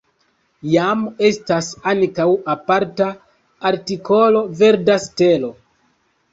Jam estas ankaŭ aparta artikolo Verda stelo.